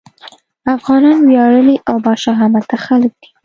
افغانان وياړلي او باشهامته خلک دي.